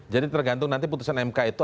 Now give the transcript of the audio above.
jadi tergantung nanti putusan mk itu